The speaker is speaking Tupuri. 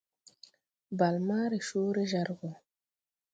Bàl maa re coore jar gɔ no.